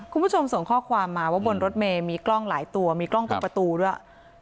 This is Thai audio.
คุณผู้ชมส่งข้อความมาว่าบนรถเมย์มีกล้องหลายตัวมีกล้องตรงประตูด้วย